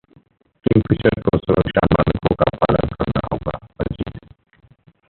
Kingfisher को सुरक्षा मानकों का पालन करना होगा: अजित